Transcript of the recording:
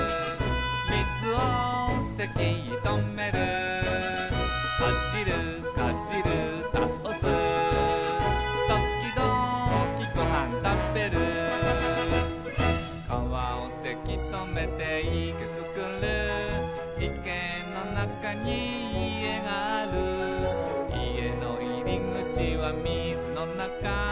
「みずをせきとめる」「かじるかじるたおす」「ときどきごはんたべる」「かわをせきとめていけつくる」「いけのなかに家がある」「家のいりぐちはみずのなか」